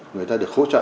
người ta được hỗ trợ